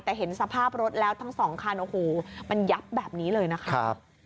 แต่เห็นสภาพรถแล้วทั้งสองคันโอ้โหมันยับแบบนี้เลยนะคะ